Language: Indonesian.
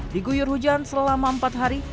diguyur hujan selama empat hari